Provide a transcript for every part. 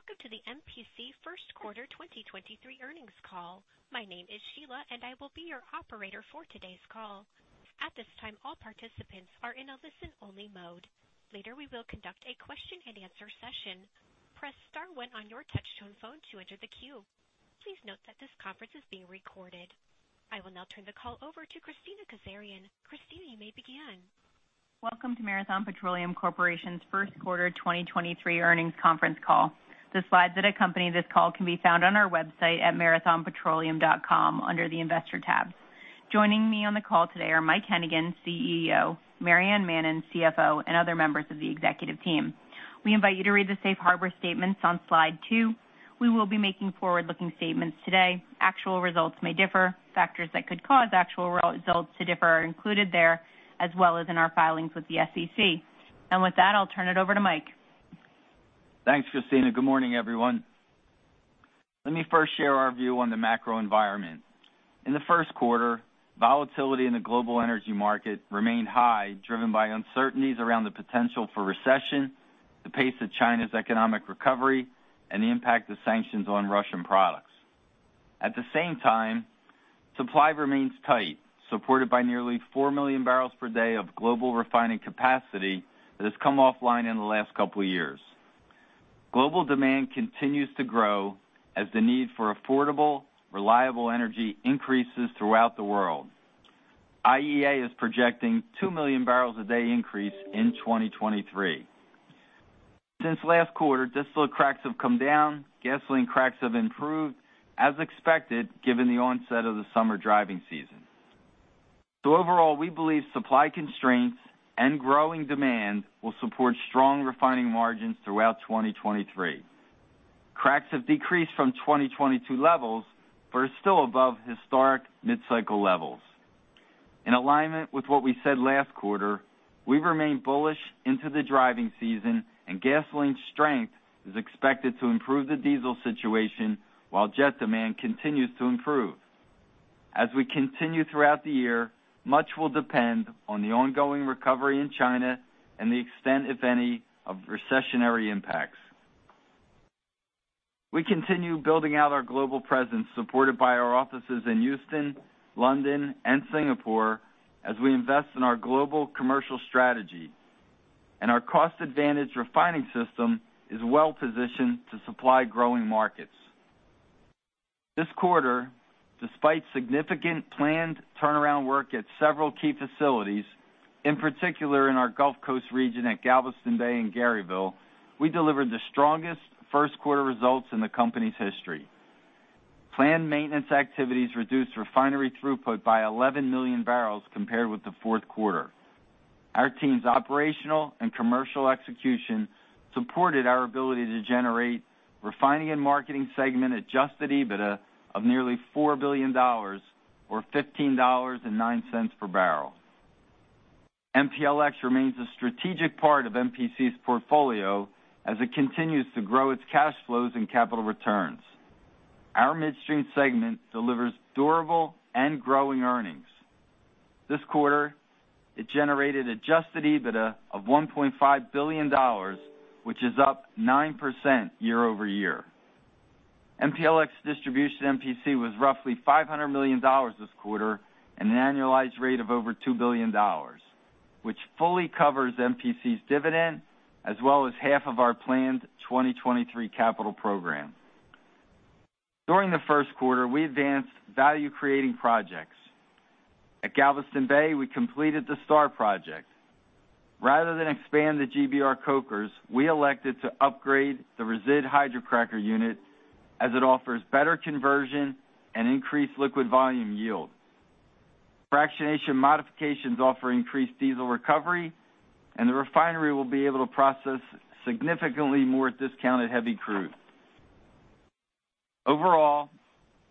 Welcome to the MPC first quarter 2023 earnings call. My name is Sheila, and I will be your operator for today's call. At this time, all participants are in a listen-only mode. Later, we will conduct a question-and-answer session. Press star one on your touchtone phone to enter the queue. Please note that this conference is being recorded. I will now turn the call over to Kristina Kazarian. Kristina, you may begin. Welcome to Marathon Petroleum Corporation's first quarter 2023 earnings conference call. The slides that accompany this call can be found on our website at marathonpetroleum.com under the Investor tab. Joining me on the call today are Mike Hennigan, CEO, Maryann Mannen, CFO, and other members of the executive team. We invite you to read the safe harbor statements on slide two. We will be making forward-looking statements today. Actual results may differ. Factors that could cause actual results to differ are included there, as well as in our filings with the SEC. With that, I'll turn it over to Mike. Thanks, Kristina. Good morning, everyone. Let me first share our view on the macro environment. In the first quarter, volatility in the global energy market remained high, driven by uncertainties around the potential for recession, the pace of China's economic recovery, and the impact of sanctions on Russian products. At the same time, supply remains tight, supported by nearly 4 million barrels per day of global refining capacity that has come offline in the last couple years. Global demand continues to grow as the need for affordable, reliable energy increases throughout the world. IEA is projecting 2 million barrels a day increase in 2023. Since last quarter, distillate cracks have come down, gasoline cracks have improved as expected, given the onset of the summer driving season. Overall, we believe supply constraints and growing demand will support strong refining margins throughout 2023. Cracks have decreased from 2022 levels, but are still above historic mid-cycle levels. In alignment with what we said last quarter, we remain bullish into the driving season, and gasoline strength is expected to improve the diesel situation while jet demand continues to improve. As we continue throughout the year, much will depend on the ongoing recovery in China and the extent, if any, of recessionary impacts. We continue building out our global presence, supported by our offices in Houston, London, and Singapore as we invest in our global commercial strategy, and our cost-advantaged refining system is well-positioned to supply growing markets. This quarter, despite significant planned turnaround work at several key facilities, in particular in our Gulf Coast region at Galveston Bay and Garyville, we delivered the strongest first quarter results in the company's history. Planned maintenance activities reduced refinery throughput by 11 million barrels compared with the fourth quarter. Our team's operational and commercial execution supported our ability to generate refining and marketing segment adjusted EBITDA of nearly $4 billion or $15.09 per barrel. MPLX remains a strategic part of MPC's portfolio as it continues to grow its cash flows and capital returns. Our midstream segment delivers durable and growing earnings. This quarter, it generated adjusted EBITDA of $1.5 billion, which is up 9% year-over-year. MPLX distribution to MPC was roughly $500 million this quarter and an annualized rate of over $2 billion, which fully covers MPC's dividend as well as half of our planned 2023 capital program. During the first quarter, we advanced value-creating projects. At Galveston Bay, we completed the STAR project. Rather than expand the GBR cokers, we elected to upgrade the resid hydrocracker unit as it offers better conversion and increased liquid volume yield. Fractionation modifications offer increased diesel recovery. The refinery will be able to process significantly more discounted heavy crude. Overall,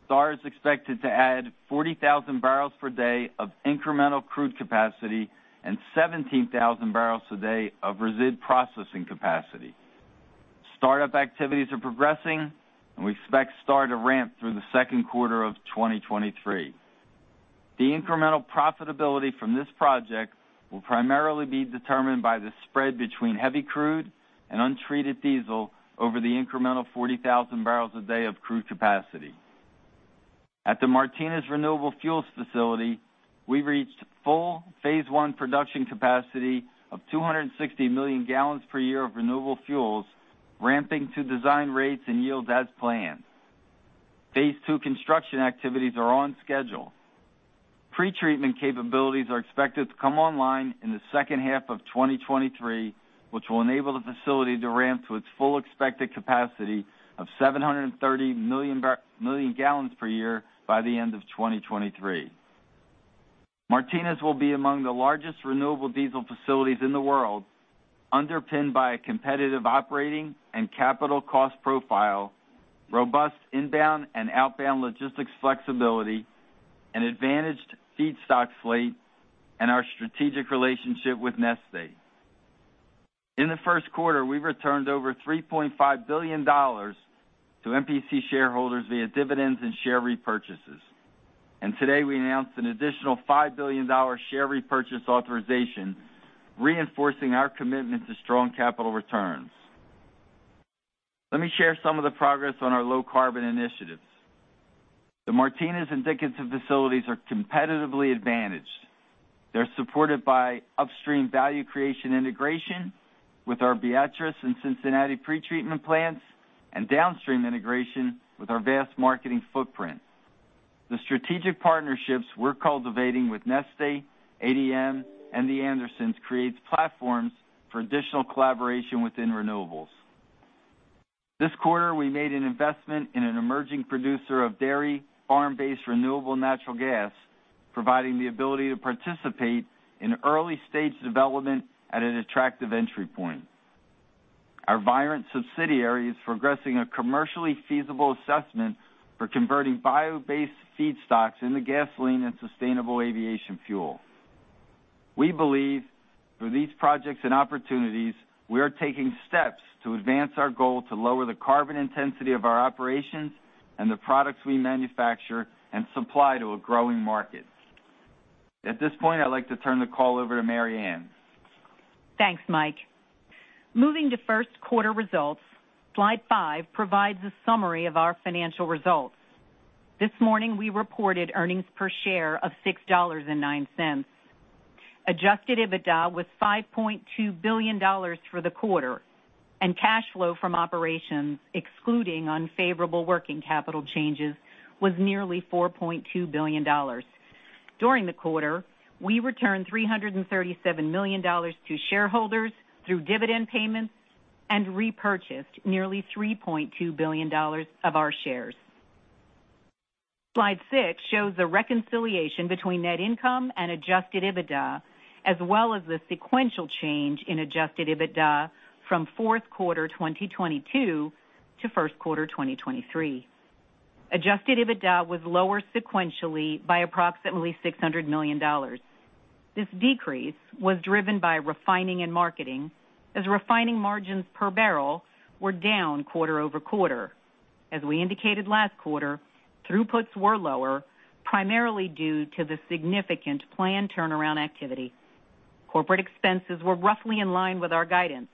STAR is expected to add 40,000 barrels per day of incremental crude capacity and 17,000 barrels a day of resid processing capacity. Startup activities are progressing. We expect STAR to ramp through the second quarter of 2023. The incremental profitability from this project will primarily be determined by the spread between heavy crude and untreated diesel over the incremental 40,000 barrels a day of crude capacity. At the Martinez Renewable Fuels facility, we reached full phase one production capacity of 260 million gallons per year of renewable fuels, ramping to design rates and yields as planned. Phase II construction activities are on schedule. Pre-treatment capabilities are expected to come online in the second half of 2023, which will enable the facility to ramp to its full expected capacity of 730 million gallons per year by the end of 2023. Martinez will be among the largest renewable diesel facilities in the world, underpinned by a competitive operating and capital cost profile, robust inbound and outbound logistics flexibility, an advantaged feedstock slate, and our strategic relationship with Neste. In the first quarter, we returned over $3.5 billion to MPC shareholders via dividends and share repurchases. Today, we announced an additional $5 billion share repurchase authorization, reinforcing our commitment to strong capital returns. Let me share some of the progress on our low carbon initiatives. The Martinez and Dickinson facilities are competitively advantaged. They're supported by upstream value creation integration with our Beatrice and Cincinnati pretreatment plants and downstream integration with our vast marketing footprint. The strategic partnerships we're cultivating with Neste, ADM, and The Andersons creates platforms for additional collaboration within renewables. This quarter, we made an investment in an emerging producer of dairy farm-based renewable natural gas, providing the ability to participate in early-stage development at an attractive entry point. Our Virent subsidiary is progressing a commercially feasible assessment for converting bio-based feedstocks into gasoline and sustainable aviation fuel. We believe through these projects and opportunities, we are taking steps to advance our goal to lower the carbon intensity of our operations and the products we manufacture and supply to a growing market. At this point, I'd like to turn the call over to Maryann Mannen. Thanks, Mike. Moving to first quarter results, slide five provides a summary of our financial results. This morning, we reported earnings per share of $6.09. Adjusted EBITDA was $5.2 billion for the quarter, and cash flow from operations, excluding unfavorable working capital changes, was nearly $4.2 billion. During the quarter, we returned $337 million to shareholders through dividend payments and repurchased nearly $3.2 billion of our shares. Slide 6 shows the reconciliation between net income and Adjusted EBITDA, as well as the sequential change in Adjusted EBITDA from fourth quarter 2022 to first quarter 2023. Adjusted EBITDA was lower sequentially by approximately $600 million. This decrease was driven by refining and marketing as refining margins per barrel were down quarter-over-quarter. As we indicated last quarter, throughputs were lower, primarily due to the significant planned turnaround activity. Corporate expenses were roughly in line with our guidance.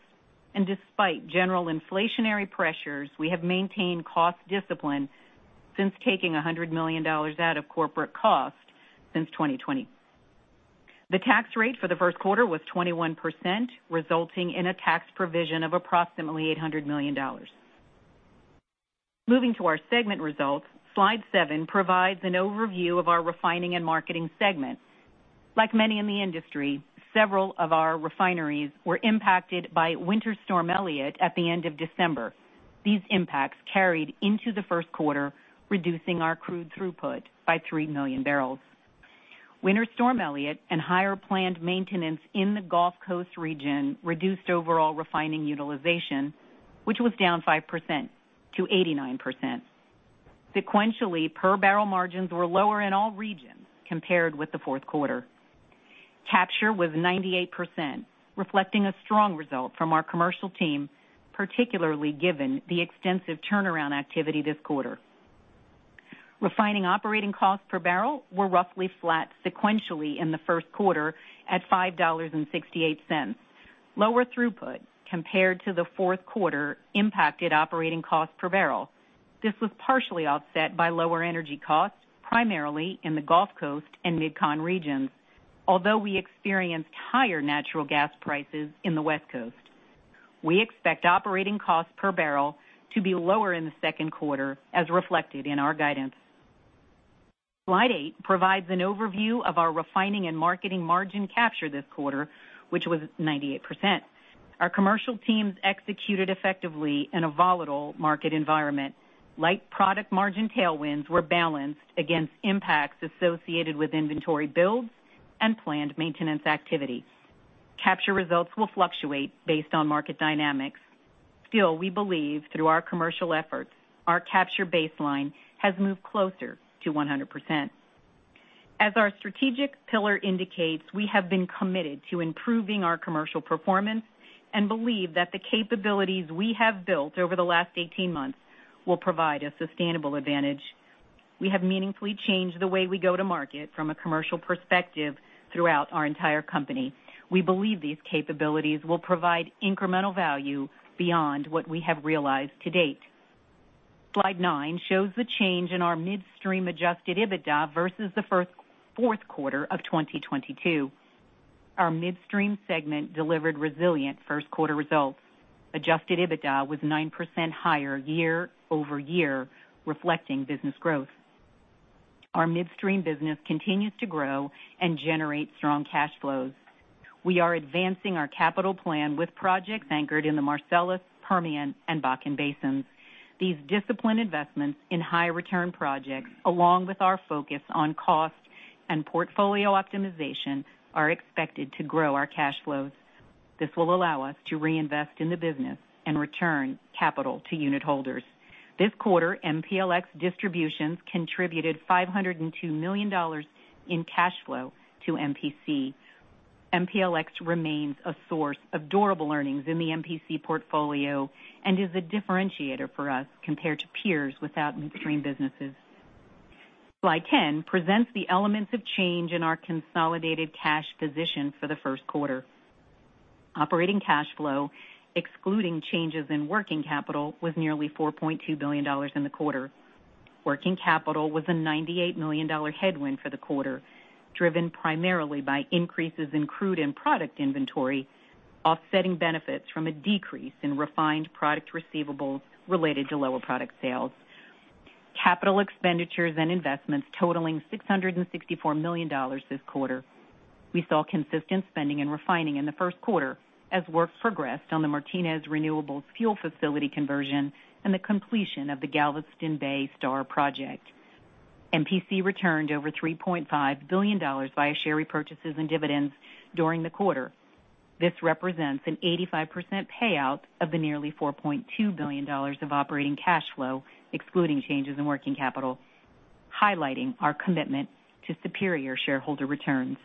Despite general inflationary pressures, we have maintained cost discipline since taking $100 million out of corporate costs since 2020. The tax rate for the first quarter was 21%, resulting in a tax provision of approximately $800 million. Moving to our segment results, slide seven provides an overview of our refining and marketing segment. Like many in the industry, several of our refineries were impacted by Winter Storm Elliott at the end of December. These impacts carried into the first quarter, reducing our crude throughput by 3 million barrels. Winter Storm Elliott and higher planned maintenance in the Gulf Coast region reduced overall refining utilization, which was down 5% to 89%. Sequentially, per barrel margins were lower in all regions compared with the fourth quarter. Capture was 98%, reflecting a strong result from our commercial team, particularly given the extensive turnaround activity this quarter. Refining operating costs per barrel were roughly flat sequentially in the first quarter at $5.68. Lower throughput compared to the fourth quarter impacted operating costs per barrel. This was partially offset by lower energy costs, primarily in the Gulf Coast and MidCon regions. Although we experienced higher natural gas prices in the West Coast, we expect operating costs per barrel to be lower in the second quarter as reflected in our guidance. Slide eight provides an overview of our refining and marketing margin capture this quarter, which was 98%. Our commercial teams executed effectively in a volatile market environment. Light product margin tailwinds were balanced against impacts associated with inventory builds and planned maintenance activity. Capture results will fluctuate based on market dynamics. We believe through our commercial efforts, our capture baseline has moved closer to 100%. As our strategic pillar indicates, we have been committed to improving our commercial performance and believe that the capabilities we have built over the last 18 months will provide a sustainable advantage. We have meaningfully changed the way we go to market from a commercial perspective throughout our entire company. We believe these capabilities will provide incremental value beyond what we have realized to date. Slide nine shows the change in our midstream adjusted EBITDA versus the fourth quarter of 2022. Our midstream segment delivered resilient first quarter results. Adjusted EBITDA was 9% higher year-over-year, reflecting business growth. Our midstream business continues to grow and generate strong cash flows. We are advancing our capital plan with projects anchored in the Marcellus, Permian, and Bakken basins. These disciplined investments in high return projects, along with our focus on cost and portfolio optimization, are expected to grow our cash flows. This will allow us to reinvest in the business and return capital to unit holders. This quarter, MPLX distributions contributed $502 million in cash flow to MPC. MPLX remains a source of durable earnings in the MPC portfolio and is a differentiator for us compared to peers without midstream businesses. Slide 10 presents the elements of change in our consolidated cash position for the first quarter. Operating cash flow, excluding changes in working capital, was nearly $4.2 billion in the quarter. Working capital was a $98 million headwind for the quarter, driven primarily by increases in crude and product inventory, offsetting benefits from a decrease in refined product receivables related to lower product sales. Capital expenditures and investments totaling $664 million this quarter. We saw consistent spending and refining in the first quarter as work progressed on the Martinez Renewable Fuel facility conversion and the completion of the Galveston Bay STAR project. MPC returned over $3.5 billion via share repurchases and dividends during the quarter. This represents an 85% payout of the nearly $4.2 billion of operating cash flow, excluding changes in working capital, highlighting our commitment to superior shareholder returns.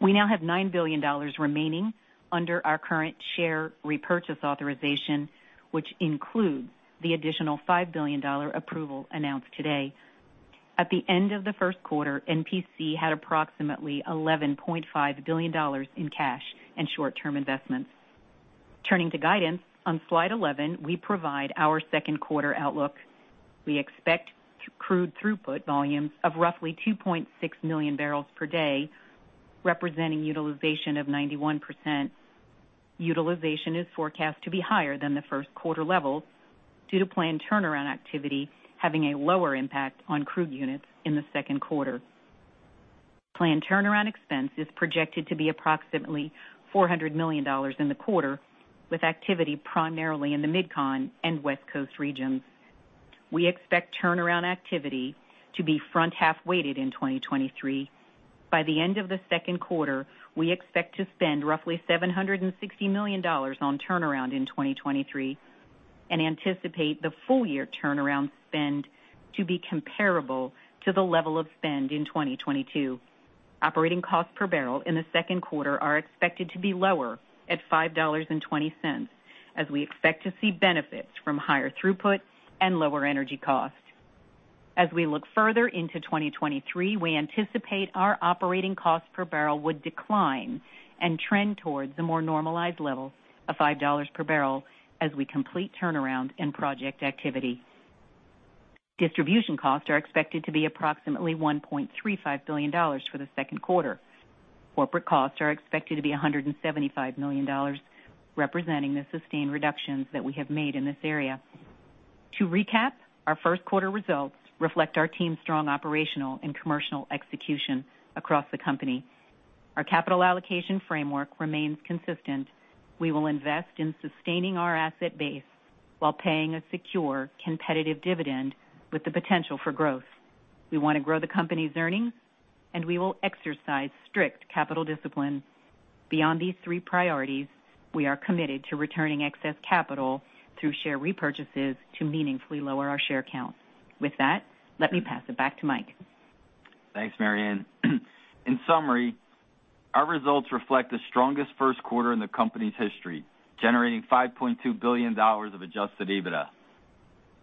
We now have $9 billion remaining under our current share repurchase authorization, which includes the additional $5 billion approval announced today. At the end of the first quarter, MPC had approximately $11.5 billion in cash and short-term investments. Turning to guidance on slide 11, we provide our second quarter outlook. We expect crude throughput volumes of roughly 2.6 million barrels per day, representing utilization of 91%. Utilization is forecast to be higher than the first quarter levels due to planned turnaround activity having a lower impact on crude units in the second quarter. Planned turnaround expense is projected to be approximately $400 million in the quarter, with activity primarily in the MidCon and West Coast regions. We expect turnaround activity to be front-half weighted in 2023. By the end of the second quarter, we expect to spend roughly $760 million on turnaround in 2023 and anticipate the full year turnaround spend to be comparable to the level of spend in 2022. Operating costs per barrel in the second quarter are expected to be lower at $5.20 as we expect to see benefits from higher throughput and lower energy costs. We look further into 2023, we anticipate our operating cost per barrel would decline and trend towards a more normalized level of $5 per barrel as we complete turnaround and project activity. Distribution costs are expected to be approximately $1.35 billion for the second quarter. Corporate costs are expected to be $175 million, representing the sustained reductions that we have made in this area. To recap, our first quarter results reflect our team's strong operational and commercial execution across the company. Our capital allocation framework remains consistent. We will invest in sustaining our asset base while paying a secure, competitive dividend with the potential for growth. We want to grow the company's earnings, and we will exercise strict capital discipline. Beyond these three priorities, we are committed to returning excess capital through share repurchases to meaningfully lower our share count. With that, let me pass it back to Mike. Thanks, Maryann. In summary, our results reflect the strongest first quarter in the company's history, generating $5.2 billion of adjusted EBITDA.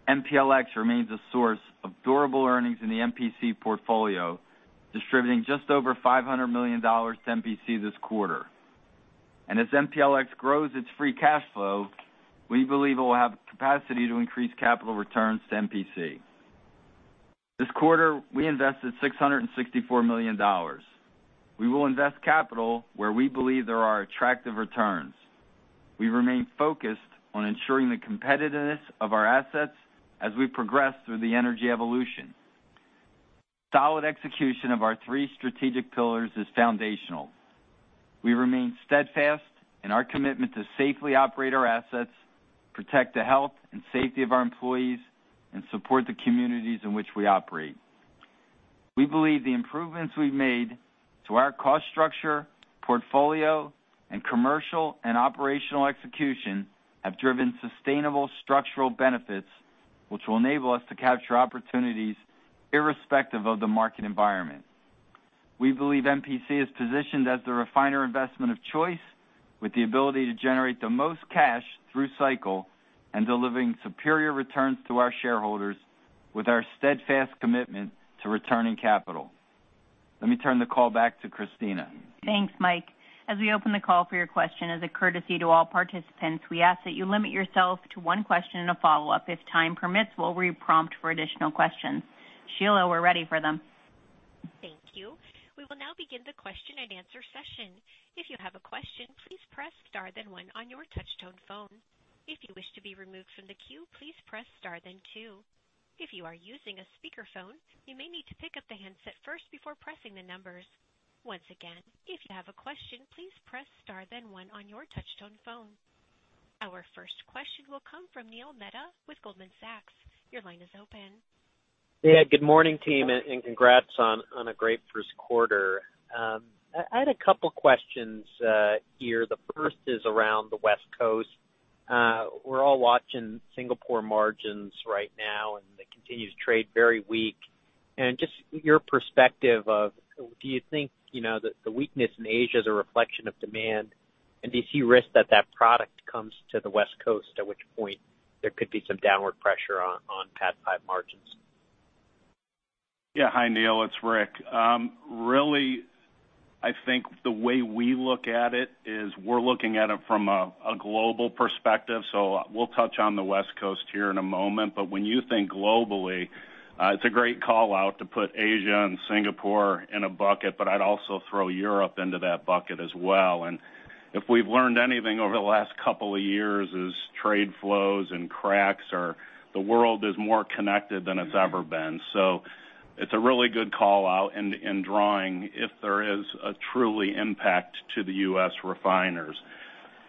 MPLX remains a source of durable earnings in the MPC portfolio, distributing just over $500 million to MPC this quarter. As MPLX grows its free cash flow, we believe it will have capacity to increase capital returns to MPC. This quarter, we invested $664 million. We will invest capital where we believe there are attractive returns. We remain focused on ensuring the competitiveness of our assets as we progress through the energy evolution. Solid execution of our three strategic pillars is foundational. We remain steadfast in our commitment to safely operate our assets, protect the health and safety of our employees, and support the communities in which we operate. We believe the improvements we've made to our cost structure, portfolio, and commercial and operational execution have driven sustainable structural benefits, which will enable us to capture opportunities irrespective of the market environment. We believe MPC is positioned as the refiner investment of choice with the ability to generate the most cash through cycle and delivering superior returns to our shareholders with our steadfast commitment to returning capital. Let me turn the call back to Kristina. Thanks, Mike. As we open the call for your question, as a courtesy to all participants, we ask that you limit yourself to one question and a follow-up. If time permits, we'll re-prompt for additional questions. Sheila, we're ready for them. Thank you. We will now begin the question and answer session. If you have a question, please press star then one on your touch tone phone. If you wish to be removed from the queue, please press star then two. If you are using a speakerphone, you may need to pick up the handset first before pressing the numbers. Once again, if you have a question, please press star then one on your touch tone phone. Our first question will come from Neil Mehta with Goldman Sachs. Your line is open. Good morning, team, congrats on a great first quarter. I had a couple questions here. The first is around the West Coast. We're all watching Singapore margins right now, they continue to trade very weak. Just your perspective of do you think, you know, that the weakness in Asia is a reflection of demand? Do you see risk that that product comes to the West Coast, at which point there could be some downward pressure on Pad 5 margins? Hi, Neil. It's Rick. Really, I think the way we look at it is we're looking at it from a global perspective, we'll touch on the West Coast here in a moment. When you think globally, it's a great call-out to put Asia and Singapore in a bucket, I'd also throw Europe into that bucket as well. If we've learned anything over the last couple of years, is trade flows and cracks, the world is more connected than it's ever been. It's a really good call-out in drawing if there is a truly impact to the U.S. refiners.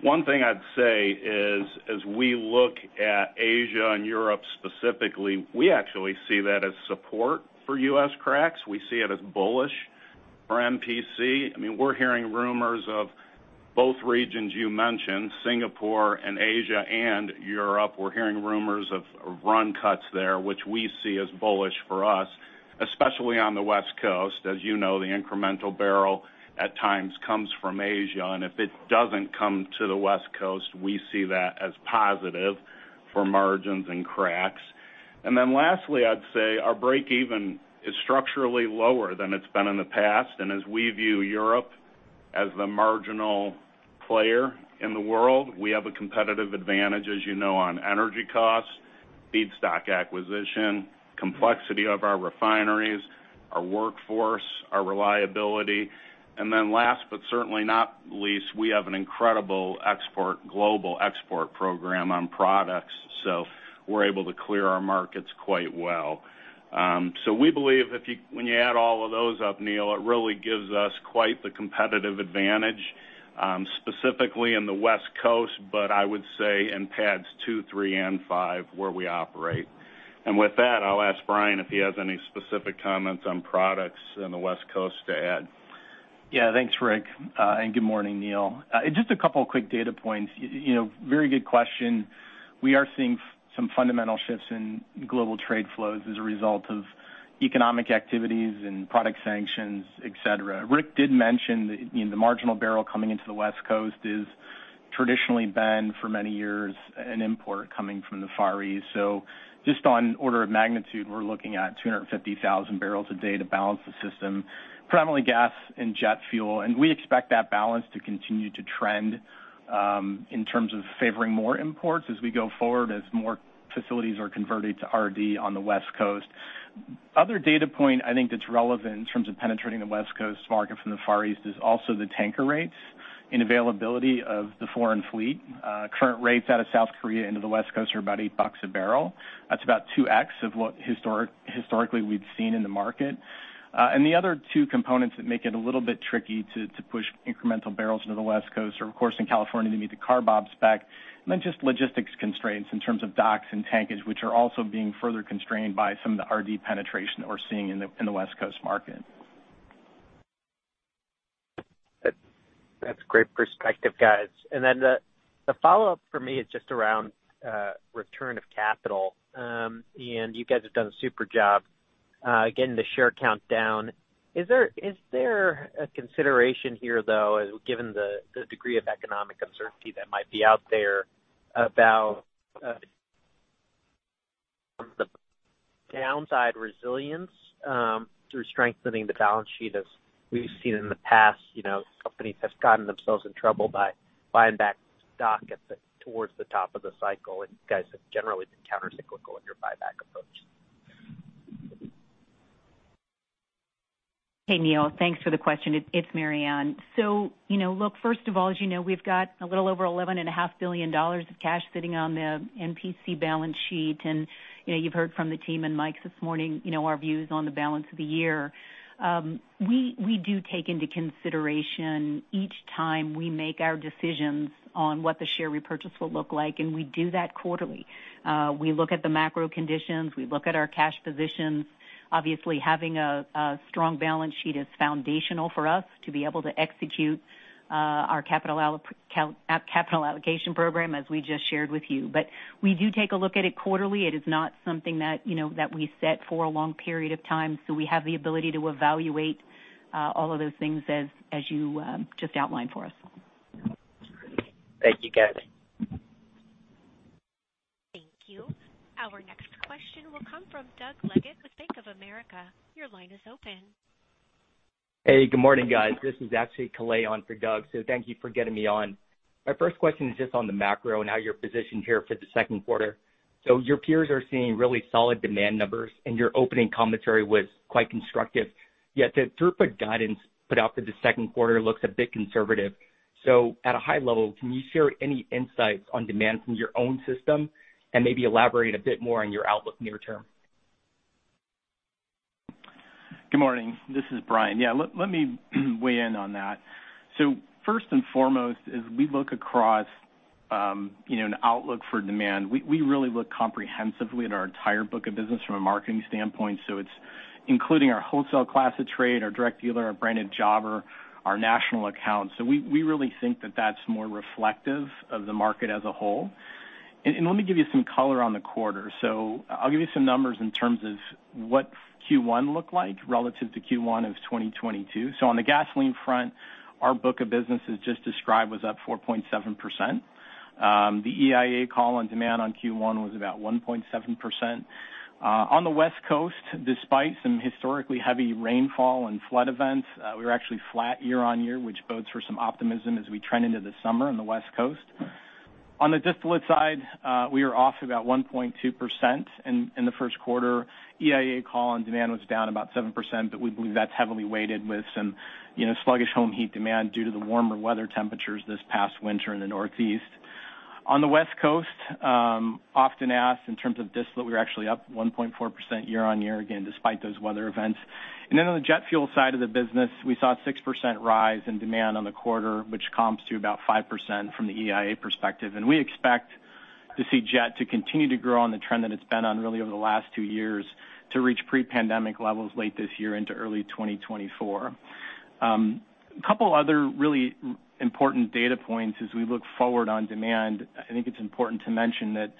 One thing I'd say is, as we look at Asia and Europe specifically, we actually see that as support for U.S. cracks. We see it as bullish for MPC. We're hearing rumors of both regions you mentioned, Singapore and Asia and Europe, of run cuts there, which we see as bullish for us, especially on the West Coast. As you know, the incremental barrel at times comes from Asia, and if it doesn't come to the West Coast, we see that as positive for margins and cracks. Lastly, I'd say our break-even is structurally lower than it's been in the past. As we view Europe as the marginal player in the world, we have a competitive advantage, as you know, on energy costs, feedstock acquisition, complexity of our refineries, our workforce, our reliability. Last, but certainly not least, we have an incredible global export program on products, so we're able to clear our markets quite well. We believe when you add all of those up, Neil, it really gives us quite the competitive advantage, specifically in the West Coast, but I would say in pads two, three, and five, where we operate. With that, I'll ask Brian if he has any specific comments on products in the West Coast to add. Thanks, Rick. Good morning, Neil. Just a couple of quick data points. You know, very good question. We are seeing some fundamental shifts in global trade flows as a result of economic activities and product sanctions, et cetera. Rick did mention that, you know, the marginal barrel coming into the West Coast is traditionally been, for many years, an import coming from the Far East. Just on order of magnitude, we're looking at 250,000 barrels a day to balance the system, predominantly gas and jet fuel. We expect that balance to continue to trend in terms of favoring more imports as we go forward, as more facilities are converted to RD on the West Coast. Other data point I think that's relevant in terms of penetrating the West Coast market from the Far East is also the tanker rates and availability of the foreign fleet. Current rates out of South Korea into the West Coast are about $8 a barrel. That's about 2x of what historically we've seen in the market. And the other two components that make it a little bit tricky to push incremental barrels into the West Coast are, of course, in California to meet the CARB spec, and then just logistics constraints in terms of docks and tankage, which are also being further constrained by some of the RD penetration that we're seeing in the West Coast market. That's great perspective, guys. The follow-up for me is just around return of capital. You guys have done a super job getting the share count down. Is there a consideration here, though, given the degree of economic uncertainty that might be out there about the downside resilience through strengthening the balance sheet, as we've seen in the past? You know, companies have gotten themselves in trouble by buying back stock towards the top of the cycle, and you guys have generally been countercyclical in your buyback approach. Hey, Neil. Thanks for the question. It's Maryann. You know, look, first of all, as you know, we've got a little over eleven and a half billion dollars of cash sitting on the MPC balance sheet. You know, you've heard from the team and Mike this morning, you know, our views on the balance of the year. We do take into consideration each time we make our decisions on what the share repurchase will look like, and we do that quarterly. We look at the macro conditions. We look at our cash positions. Obviously, having a strong balance sheet is foundational for us to be able to execute our capital allocation program as we just shared with you. We do take a look at it quarterly. It is not something that, you know, that we set for a long period of time. We have the ability to evaluate, all of those things as you, just outlined for us. Thank you, guys. Thank you. Our next question will come from Doug Leggate with Bank of America. Your line is open. Good morning, guys. This is actually Kalei on for Doug, so thank you for getting me on. My first question is just on the macro and how you're positioned here for the second quarter. Your peers are seeing really solid demand numbers, and your opening commentary was quite constructive. Yet the throughput guidance put out for the second quarter looks a bit conservative. At a high level, can you share any insights on demand from your own system and maybe elaborate a bit more on your outlook near-term? Good morning. This is Brian. Yeah. Let me weigh in on that. First and foremost is we look across, you know, an outlook for demand. We really look comprehensively at our entire book of business from a marketing standpoint. It's including our wholesale class of trade, our direct dealer, our branded jobber, our national accounts. We really think that's more reflective of the market as a whole. Let me give you some color on the quarter. I'll give you some numbers in terms of what Q1 looked like relative to Q1 of 2022. On the gasoline front, our book of business, as just described, was up 4.7%. The EIA call on demand on Q1 was about 1.7%. On the West Coast, despite some historically heavy rainfall and flood events, we were actually flat year-on-year, which bodes for some optimism as we trend into the summer on the West Coast. On the distillate side, we are off about 1.2% in the first quarter. EIA call on demand was down about 7%, but we believe that's heavily weighted with some, you know, sluggish home heat demand due to the warmer weather temperatures this past winter in the Northeast. On the West Coast, often asked in terms of distillate, we were actually up 1.4% year-on-year, again, despite those weather events. On the jet fuel side of the business, we saw a 6% rise in demand on the quarter, which comps to about 5% from the EIA perspective. We expect to see jet to continue to grow on the trend that it's been on really over the last two years to reach pre-pandemic levels late this year into early 2024. A couple other really important data points as we look forward on demand, I think it's important to mention that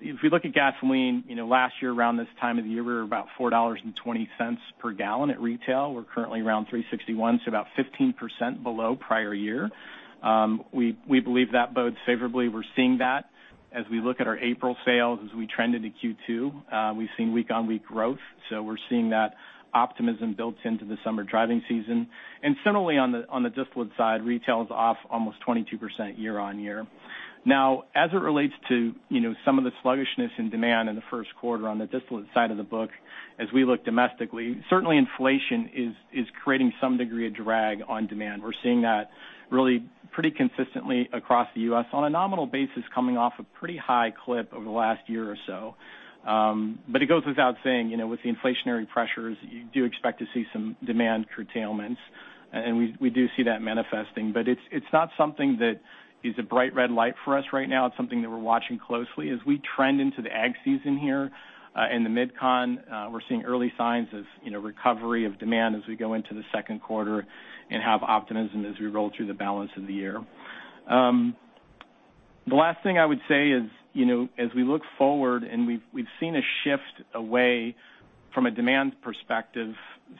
if we look at gasoline, you know, last year around this time of the year, we were about $4.20 per gallon at retail. We're currently around $3.61, so about 15% below prior year. We believe that bodes favorably. We're seeing that as we look at our April sales as we trend into Q2. We've seen week-on-week growth, so we're seeing that optimism built into the summer driving season. Similarly, on the distillate side, retail is off almost 22% year-on-year. Now, as it relates to, you know, some of the sluggishness in demand in the first quarter on the distillate side of the book, as we look domestically, certainly inflation is creating some degree of drag on demand. We're seeing that really pretty consistently across the U.S. on a nominal basis coming off a pretty high clip over the last year or so. It goes without saying, you know, with the inflationary pressures, you do expect to see some demand curtailments, and we do see that manifesting. It's not something that is a bright red light for us right now. It's something that we're watching closely. As we trend into the ag season here, in the MidCon, we're seeing early signs of, you know, recovery of demand as we go into the second quarter and have optimism as we roll through the balance of the year. The last thing I would say is, you know, as we look forward and we've seen a shift away from a demand perspective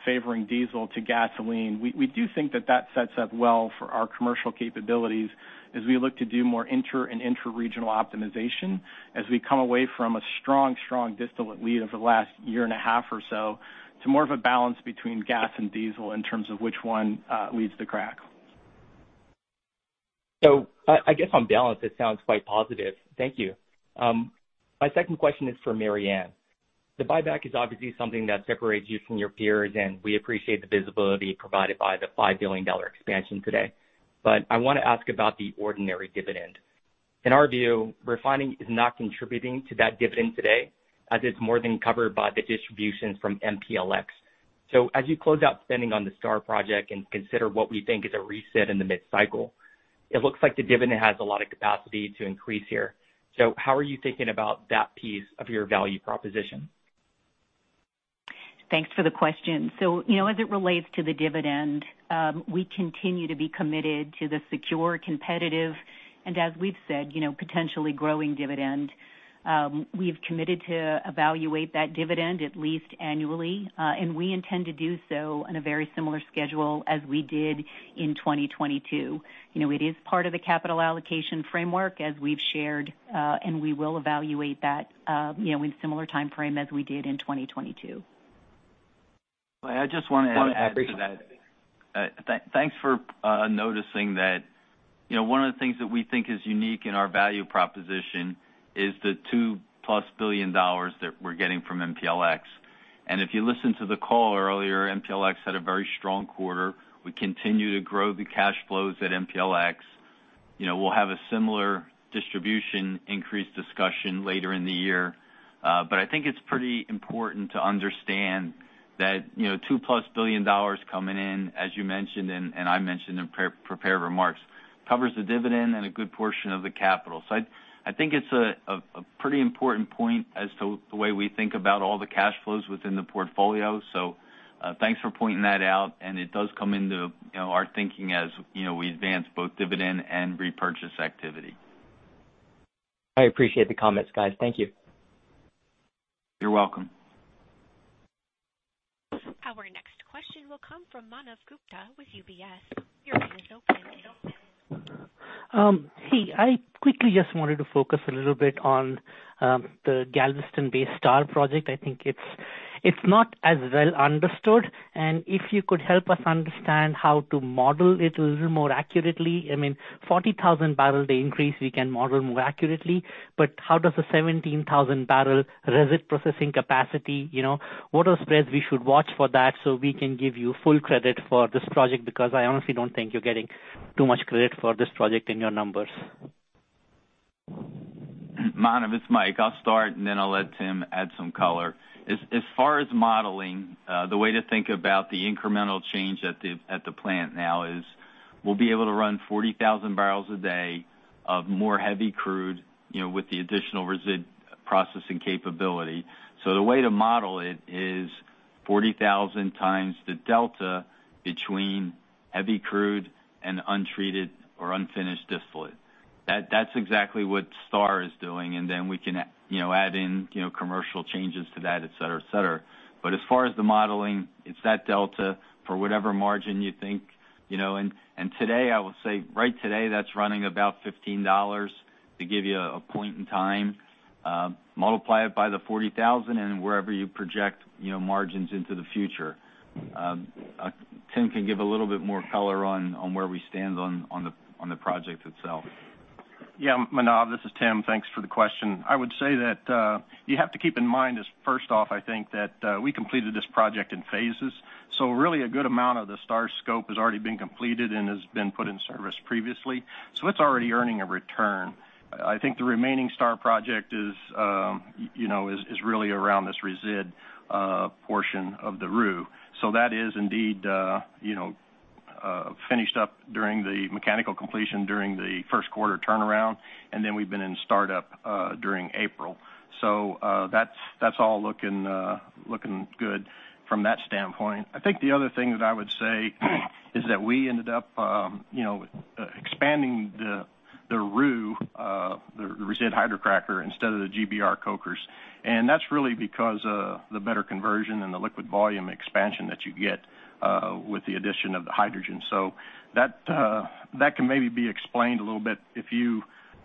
favoring diesel to gasoline, we do think that that sets up well for our commercial capabilities as we look to do more inter and intra-regional optimization as we come away from a strong distillate lead over the last year and a half or so to more of a balance between gas and diesel in terms of which one leads the crack. I guess on balance, it sounds quite positive. Thank you. My second question is for Maryann Mannen. The buyback is obviously something that separates you from your peers, and we appreciate the visibility provided by the $5 billion expansion today. I wanna ask about the ordinary dividend. In our view, refining is not contributing to that dividend today, as it's more than covered by the distribution from MPLX. As you close out spending on the STAR project and consider what we think is a reset in the mid-cycle, it looks like the dividend has a lot of capacity to increase here. How are you thinking about that piece of your value proposition? Thanks for the question. You know, as it relates to the dividend, we continue to be committed to the secure, competitive, and as we've said, you know, potentially growing dividend. We've committed to evaluate that dividend at least annually, and we intend to do so on a very similar schedule as we did in 2022. You know, it is part of the capital allocation framework as we've shared, and we will evaluate that, you know, in similar timeframe as we did in 2022. I just wanna add to that. Thanks for noticing that. You know, one of the things that we think is unique in our value proposition is the $2+ billion that we're getting from MPLX. If you listen to the call earlier, MPLX had a very strong quarter. We continue to grow the cash flows at MPLX. You know, we'll have a similar distribution increase discussion later in the year. I think it's pretty important to understand that, you know, $2+ billion coming in, as you mentioned and I mentioned in pre-prepared remarks, covers the dividend and a good portion of the capital. I think it's a pretty important point as to the way we think about all the cash flows within the portfolio. Thanks for pointing that out. It does come into, you know, our thinking as, you know, we advance both dividend and repurchase activity. I appreciate the comments, guys. Thank you. You're welcome. Our next question will come from Manav Gupta with UBS. Your line is open. Hey. I quickly just wanted to focus a little bit on the Galveston Bay STAR project. I think it's not as well understood. If you could help us understand how to model it a little more accurately. I mean, 40,000 barrel, the increase we can model more accurately, but how does the 17,000 barrel resid processing capacity, you know, what are spreads we should watch for that so we can give you full credit for this project? I honestly don't think you're getting too much credit for this project in your numbers. Manav, it's Mike. I'll start, and then I'll let Tim add some color. As far as modeling, the way to think about the incremental change at the, at the plant now is we'll be able to run 40,000 barrels a day of more heavy crude, you know, with the additional resid. Processing capability. The way to model it is 40,000 times the delta between heavy crude and untreated or unfinished distillate. That's exactly what STAR is doing, and then we can, you know, add in, you know, commercial changes to that, et cetera, et cetera. As far as the modeling, it's that delta for whatever margin you think, you know. Today, I will say right today, that's running about $15 to give you a point in time, multiply it by the 40,000 and wherever you project, you know, margins into the future. Tim can give a little bit more color on where we stand on the, on the project itself. Yeah, Manav, this is Tim. Thanks for the question. I would say that, you have to keep in mind is first off, I think that, we completed this project in phases. Really a good amount of the STAR scope has already been completed and has been put in service previously. It's already earning a return. I think the remaining STAR project is, you know, is really around this resid portion of the RU. That is indeed, you know, finished up during the mechanical completion during the first quarter turnaround, and then we've been in startup during April. That's all looking good from that standpoint. I think the other thing that I would say is that we ended up, you know, expanding the RU, the Resid Hydrocracker instead of the GBR cokers. That's really because of the better conversion and the liquid volume expansion that you get with the addition of the hydrogen. That, that can maybe be explained a little bit. If you,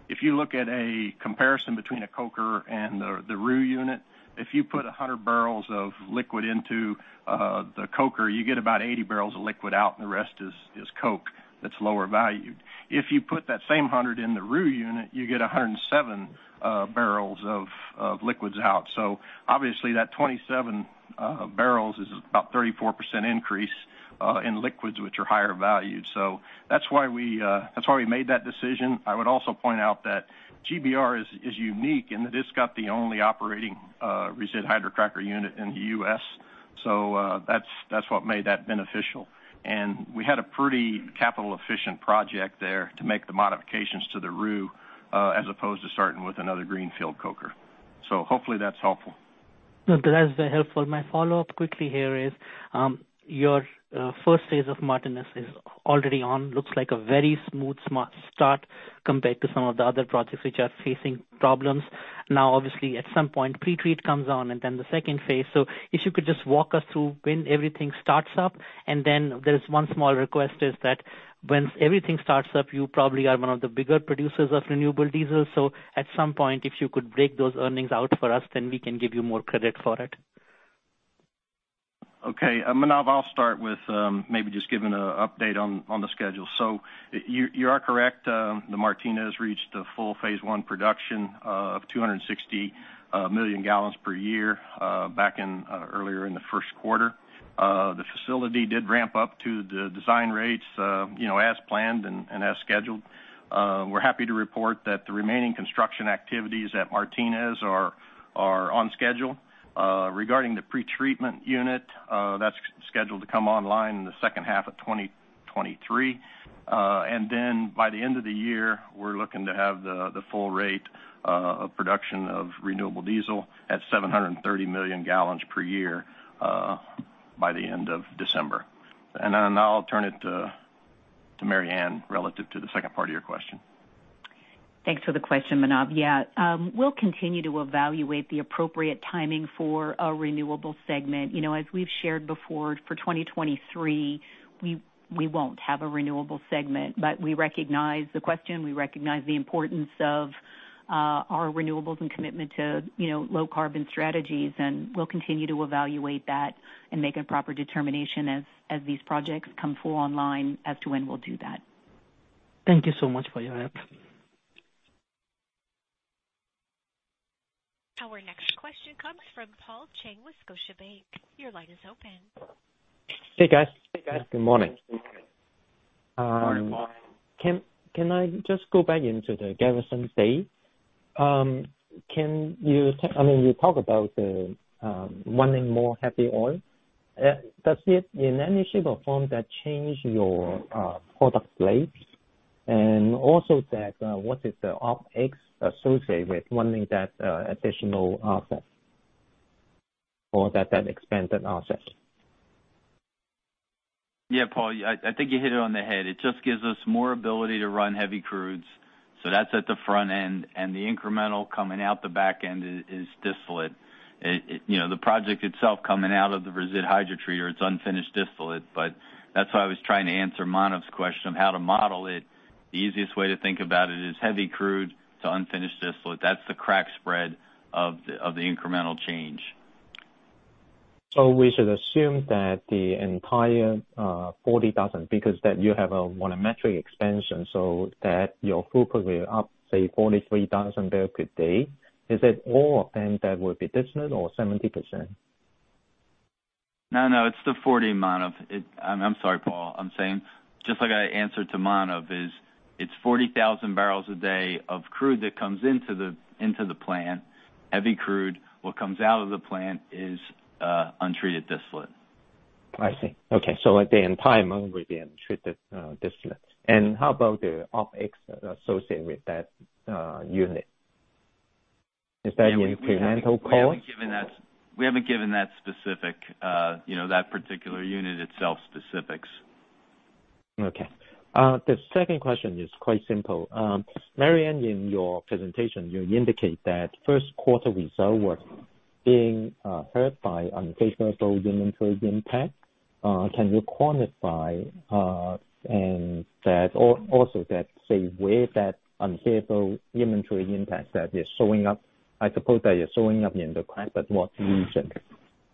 if you look at a comparison between a coker and the RU unit, if you put 100 barrels of liquid into the coker, you get about 80 barrels of liquid out and the rest is coke that's lower valued. If you put that same 100 in the RU unit, you get 107 barrels of liquids out. Obviously that 27 barrels is about 34% increase in liquids which are higher valued. That's why we made that decision. I would also point out that GBR is unique in that it's got the only operating resid hydrocracker unit in the U.S., that's what made that beneficial. We had a pretty capital efficient project there to make the modifications to the RU, as opposed to starting with another greenfield coker. Hopefully that's helpful. No, that is very helpful. My follow-up quickly here is, your first phase of Martinez is already on. Looks like a very smooth smart start compared to some of the other projects which are facing problems. Obviously at some point, pre-treat comes on and then the second phase. If you could just walk us through when everything starts up, and then there is one small request is that when everything starts up, you probably are one of the bigger producers of renewable diesel. At some point, if you could break those earnings out for us, then we can give you more credit for it. Okay. Manav, I'll start with, maybe just giving a update on the schedule. You, you are correct. The Martinez reached the full phase one production of 260 million gallons per year, back in earlier in the first quarter. The facility did ramp up to the design rates, you know, as planned and as scheduled. We're happy to report that the remaining construction activities at Martinez are on schedule. Regarding the pre-treatment unit, that's scheduled to come online in the second half of 2023. And then by the end of the year, we're looking to have the full rate of production of renewable diesel at 730 million gallons per year, by the end of December. Then I'll turn it to Maryann Mannen relative to the second part of your question. Thanks for the question, Manav. Yeah. We'll continue to evaluate the appropriate timing for a renewable segment. You know, as we've shared before, for 2023, we won't have a renewable segment, but we recognize the question, we recognize the importance of our renewables and commitment to, you know, low carbon strategies, and we'll continue to evaluate that and make a proper determination as these projects come full online as to when we'll do that. Thank you so much for your help. Our next question comes from Paul Cheng with Scotiabank. Your line is open. Hey, guys. Good morning. Can I just go back into the Galveston Bay? I mean, you talk about wanting more heavy oil. Does it in any shape or form that change your product grades? What is the OpEx associated with wanting that additional asset or that expanded asset? Yeah, Paul, I think you hit it on the head. It just gives us more ability to run heavy crudes. That's at the front end, and the incremental coming out the back end is distillate. It, you know, the project itself coming out of the Resid Hydrotreater, it's unfinished distillate, that's why I was trying to answer Manav's question on how to model it. The easiest way to think about it is heavy crude to unfinished distillate. That's the crack spread of the incremental change. We should assume that the entire 40,000 because that you have a volumetric expansion, so that your throughput will up, say 43,000 barrel per day. Is it all of them that will be distillate or 70%? No, no, it's the 40, Manav. I'm sorry, Paul. I'm saying just like I answered to Manav is it's 40,000 barrels a day of crude that comes into the plant, heavy crude. What comes out of the plant is untreated distillate. I see. Okay. At the end time will be in treated distillate. How about the OpEx associated with that unit? Is that incremental cost? We haven't given that specific, you know, that particular unit itself specifics. Okay. The second question is quite simple. Maryann in your presentation, you indicate that first quarter result was being hurt by unfavorable inventory impact. Can you quantify, Or also that say where that unfavorable inventory impact that is showing up? I suppose that you're showing up in the crack, but what region?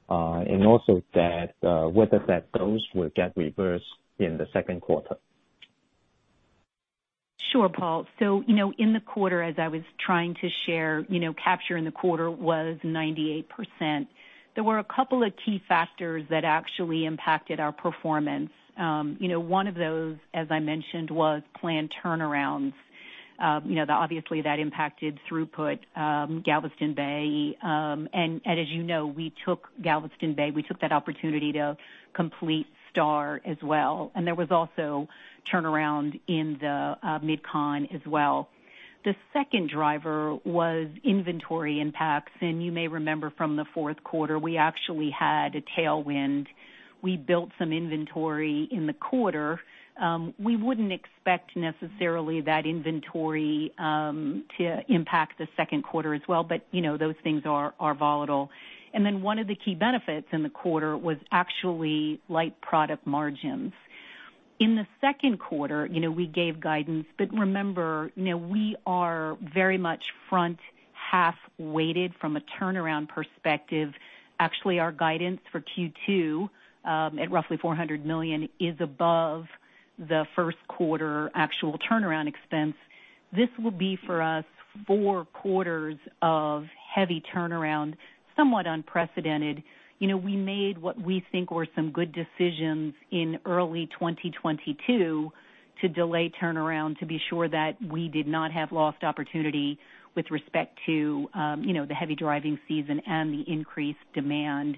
Also that, whether those will get reversed in the second quarter? Sure, Paul. You know, in the quarter, as I was trying to share, you know, capture in the quarter was 98%. There were a couple of key factors that actually impacted our performance. One of those, as I mentioned, was planned turnarounds. Obviously, that impacted throughput, Galveston Bay. As you know, we took Galveston Bay, we took that opportunity to complete STAR as well. There was also turnaround in the MidCon as well. The second driver was inventory impacts. You may remember from the fourth quarter, we actually had a tailwind. We built some inventory in the quarter. We wouldn't expect necessarily that inventory to impact the second quarter as well, but, you know, those things are volatile. One of the key benefits in the quarter was actually light product margins. In the second quarter, you know, we gave guidance, remember, you know, we are very much front half weighted from a turnaround perspective. Actually, our guidance for Q2, at roughly $400 million is above the first quarter actual turnaround expense. This will be for us four quarters of heavy turnaround, somewhat unprecedented. You know, we made what we think were some good decisions in early 2022 to delay turnaround to be sure that we did not have lost opportunity with respect to, you know, the heavy driving season and the increased demand.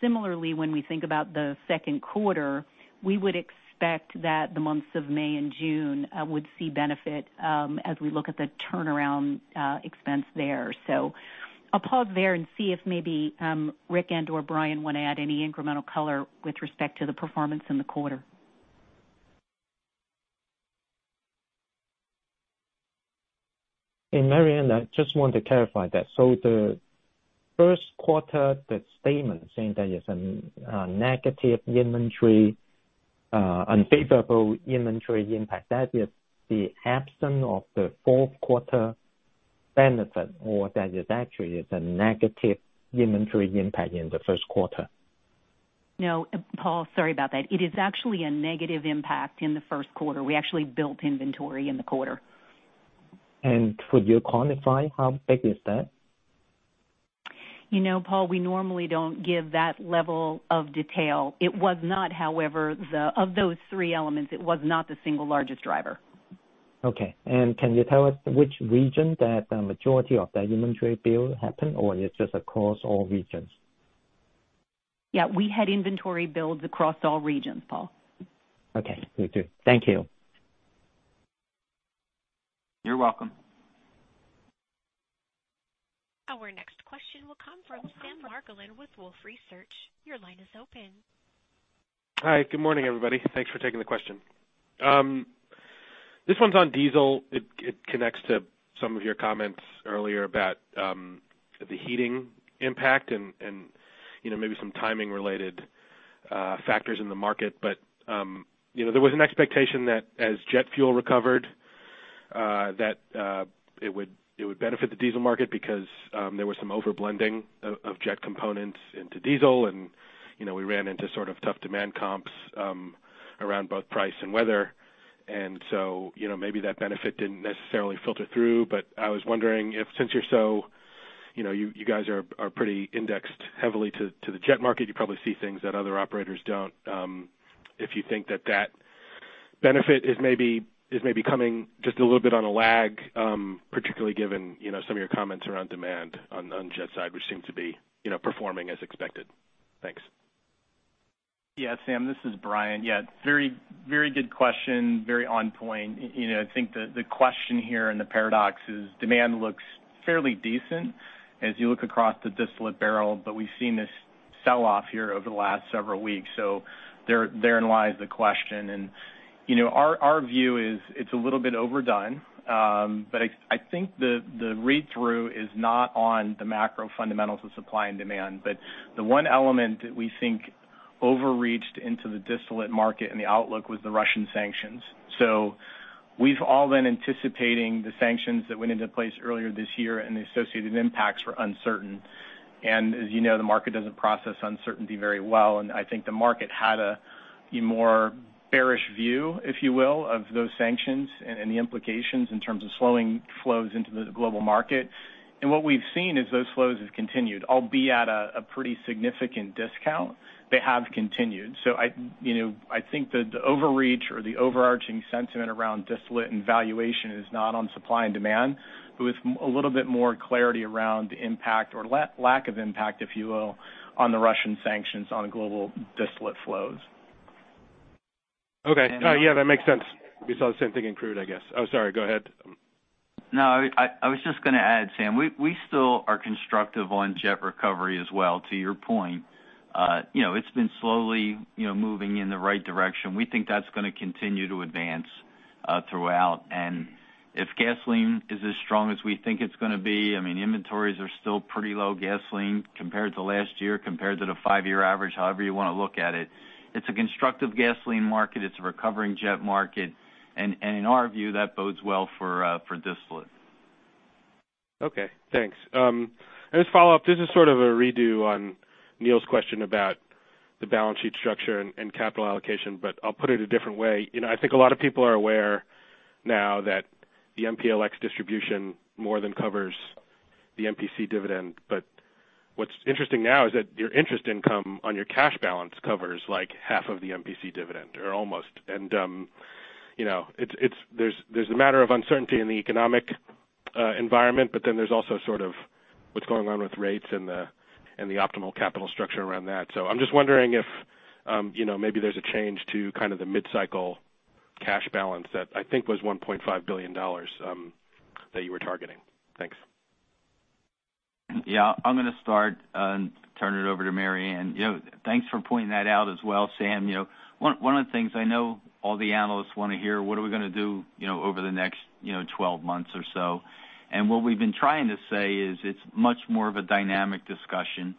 Similarly, when we think about the second quarter, we would expect that the months of May and June would see benefit as we look at the turnaround expense there. I'll pause there and see if maybe, Rick and or Brian want to add any incremental color with respect to the performance in the quarter. Maryann I just want to clarify that. The first quarter, the statement saying that is a negative inventory, unfavorable inventory impact, that is the absence of the fourth quarter benefit, or that is actually is a negative inventory impact in the first quarter? No, Paul, sorry about that. It is actually a negative impact in the first quarter. We actually built inventory in the quarter. Could you quantify how big is that? You know, Paul, we normally don't give that level of detail. It was not, however, Of those three elements, it was not the single largest driver. Okay. Can you tell us which region that the majority of that inventory build happened, or it's just across all regions? Yeah, we had inventory builds across all regions, Paul. Okay. Good. Good. Thank you. You're welcome. Our next question will come from Sam Margolin with Wolfe Research. Your line is open. Hi. Good morning, everybody. Thanks for taking the question. This one's on diesel. It, it connects to some of your comments earlier about the heating impact and, you know, maybe some timing-related factors in the market. You know, there was an expectation that as jet fuel recovered, that it would benefit the diesel market because there was some over-blending of jet components into diesel. You know, we ran into sort of tough demand comps around both price and weather. You know, maybe that benefit didn't necessarily filter through. I was wondering if since you're so, you know, you guys are pretty indexed heavily to the jet market, you probably see things that other operators don't. If you think that that benefit is maybe coming just a little bit on a lag, particularly given, you know, some of your comments around demand on jet side, which seem to be, you know, performing as expected. Thanks. Sam, this is Brian. Very, very good question. Very on point. You know, I think the question here and the paradox is demand looks fairly decent as you look across the distillate barrel, but we've seen this sell-off here over the last several weeks. There, therein lies the question. You know, our view is it's a little bit overdone. I think the read-through is not on the macro fundamentals of supply and demand. The one element that we think overreached into the distillate market and the outlook was the Russian sanctions. We've all been anticipating the sanctions that went into place earlier this year, and the associated impacts were uncertain. As you know, the market doesn't process uncertainty very well. I think the market had a more bearish view, if you will, of those sanctions and the implications in terms of slowing flows into the global market. What we've seen is those flows have continued, albeit at a pretty significant discount. They have continued. I, you know, I think the overreach or the overarching sentiment around distillate and valuation is not on supply and demand, but with a little bit more clarity around the impact or lack of impact, if you will, on the Russian sanctions on global distillate flows. Okay. Yeah, that makes sense. We saw the same thing in crude, I guess. Oh, sorry. Go ahead. No, I was just gonna add, Sam, we still are constructive on jet recovery as well, to your point. You know, it's been slowly, you know, moving in the right direction. We think that's gonna continue to advance throughout. If gasoline is as strong as we think it's gonna be, I mean, inventories are still pretty low gasoline compared to last year, compared to the five-year average, however you wanna look at it. It's a constructive gasoline market. It's a recovering jet market. In our view, that bodes well for distillate. Okay. Thanks. Just follow up, this is sort of a redo on Neil's question about the balance sheet structure and capital allocation, but I'll put it a different way. You know, I think a lot of people are aware now that the MPLX distribution more than covers the MPC dividend. What's interesting now is that your interest income on your cash balance covers like half of the MPC dividend or almost. You know, it's there's a matter of uncertainty in the economic environment, but then there's also sort of what's going on with rates and the, and the optimal capital structure around that. I'm just wondering if, you know, maybe there's a change to kind of the mid-cycle cash balance that I think was $1.5 billion that you were targeting. Thanks. Yeah. I'm gonna start and turn it over to Maryann. You know, thanks for pointing that out as well, Sam. You know, one of the things I know all the analysts wanna hear, what are we gonna do, you know, over the next, you know, 12 months or so. What we've been trying to say is it's much more of a dynamic discussion.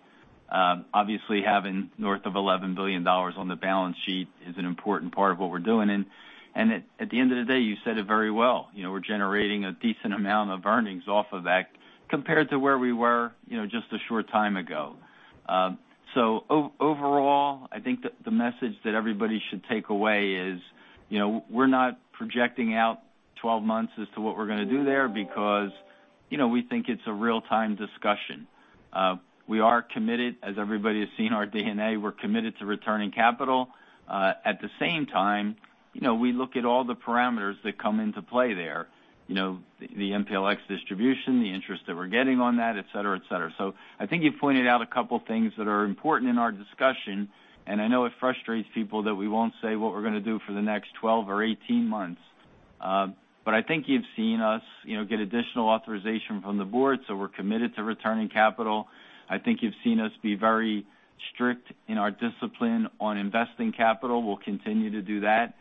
obviously, having north of $11 billion on the balance sheet is an important part of what we're doing. At the end of the day, you said it very well, you know, we're generating a decent amount of earnings off of that compared to where we were, you know, just a short time ago. Overall, I think the message that everybody should take away is, you know, we're not projecting out 12 months as to what we're gonna do there because, you know, we think it's a real-time discussion. We are committed, as everybody has seen our DNA, we're committed to returning capital. At the same time, you know, we look at all the parameters that come into play there. You know, the MPLX distribution, the interest that we're getting on that, et cetera, et cetera. I think you pointed out a couple things that are important in our discussion, and I know it frustrates people that we won't say what we're gonna do for the next 12 or 18 months. I think you've seen us, you know, get additional authorization from the board, so we're committed to returning capital. I think you've seen us be very strict in our discipline on investing capital. We'll continue to do that.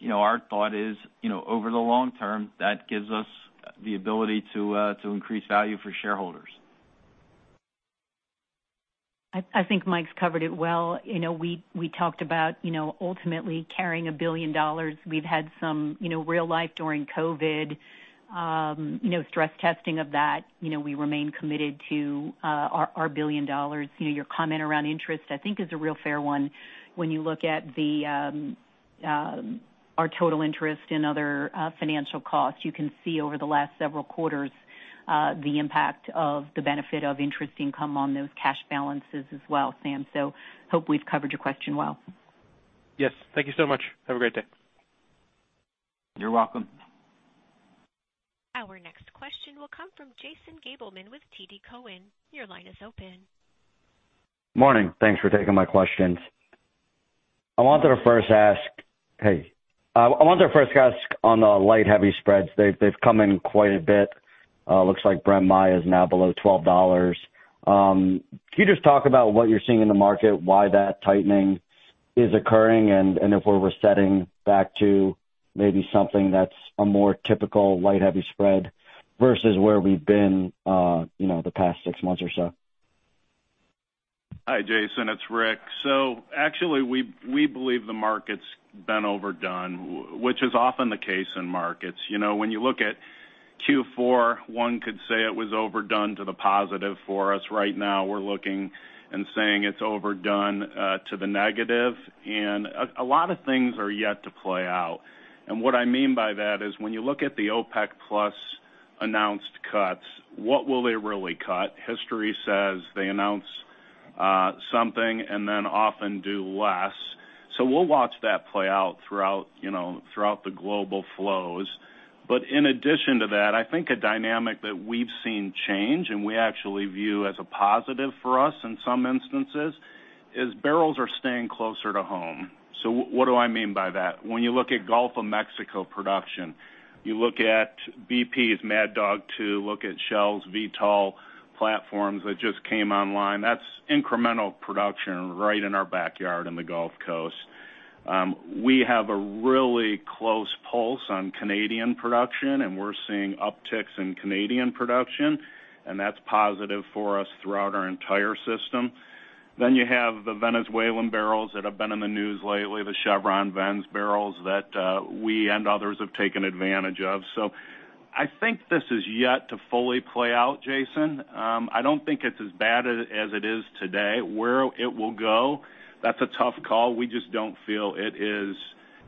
you know, our thought is, you know, over the long term, that gives us the ability to increase value for shareholders. I think Mike's covered it well. You know, we talked about, you know, ultimately carrying $1 billion. We've had some, you know, real life during COVID, you know, stress testing of that. You know, we remain committed to our $1 billion. You know, your comment around interest, I think is a real fair one. When you look at the our total interest in other financial costs, you can see over the last several quarters, the impact of the benefit of interest income on those cash balances as well, Sam. Hope we've covered your question well. Yes. Thank you so much. Have a great day. You're welcome. Our next question will come from Jason Gabelman with TD Cowen. Your line is open. Morning. Thanks for taking my questions. I wanted to first ask on the light heavy spreads. They've come in quite a bit. Looks like Brent-Maya is now below $12. Can you just talk about what you're seeing in the market, why that tightening is occurring, and if we're resetting back to maybe something that's a more typical light heavy spread versus where we've been, you know, the past six months or so? Hi, Jason. It's Rick. Actually we believe the market's been overdone, which is often the case in markets. You know, when you look at Q4, one could say it was overdone to the positive for us. Right now, we're looking and saying it's overdone to the negative. A lot of things are yet to play out. What I mean by that is when you look at the OPEC+ announced cuts, what will they really cut? History says they announce something and then often do less. We'll watch that play out throughout, you know, throughout the global flows. In addition to that, I think a dynamic that we've seen change and we actually view as a positive for us in some instances, is barrels are staying closer to home. What do I mean by that? When you look at Gulf of Mexico production, you look at BP's Mad Dog 2, look at Shell's Vito platforms that just came online, that's incremental production right in our backyard in the Gulf Coast. We have a really close pulse on Canadian production, and we're seeing upticks in Canadian production, and that's positive for us throughout our entire system. You have the Venezuelan barrels that have been in the news lately, the Chevron-Venezuela barrels that, we and others have taken advantage of. I think this is yet to fully play out, Jason. I don't think it's as bad as it is today. Where it will go, that's a tough call. We just don't feel it is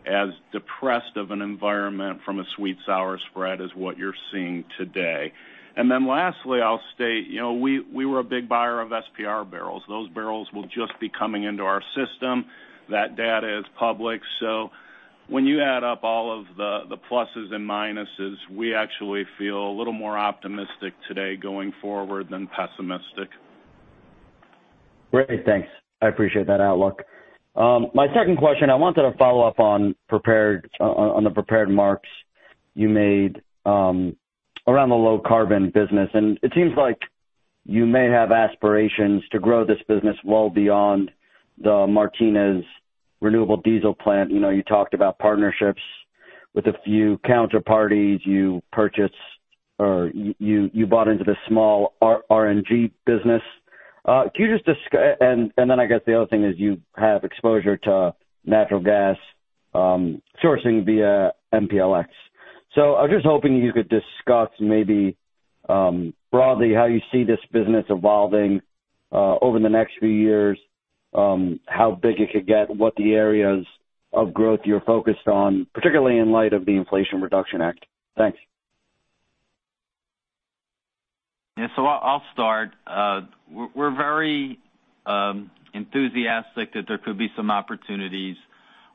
as depressed of an environment from a sweet sour spread as what you're seeing today. Lastly, I'll state, you know, we were a big buyer of SPR barrels. Those barrels will just be coming into our system. That data is public. When you add up all of the pluses and minuses, we actually feel a little more optimistic today going forward than pessimistic. Great. Thanks. I appreciate that outlook. My second question, I wanted to follow up on the prepared marks you made, around the low carbon business, and it seems like you may have aspirations to grow this business well beyond the Martinez renewable diesel plant. You know, you talked about partnerships with a few counterparties, you purchased or you bought into the small RNG business. Then I guess the other thing is you have exposure to natural gas, sourcing via MPLX. I was just hoping you could discuss maybe, broadly how you see this business evolving, over the next few years, how big it could get, what the areas of growth you're focused on, particularly in light of the Inflation Reduction Act? Thanks. Yeah. I'll start. We're very enthusiastic that there could be some opportunities,